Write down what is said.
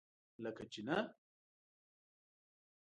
لکه چینۀ!